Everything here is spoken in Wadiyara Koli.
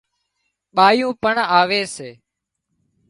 ٻايُون پڻ آوي سي